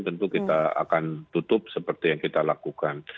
tentu kita akan tutup seperti yang kita lakukan